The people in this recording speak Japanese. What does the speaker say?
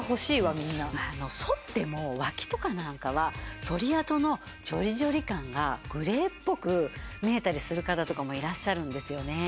そっても脇とかなんかはそり痕のジョリジョリ感がグレーっぽく見えたりする方とかもいらっしゃるんですよね。